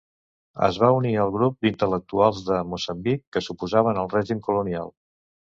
Es va unir al grup d'intel·lectuals de Moçambic que s'oposaven al règim colonial.